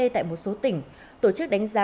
tại một số tỉnh tổ chức đánh giá